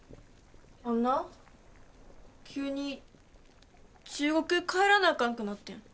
あんな急に中国帰らなあかんくなってん。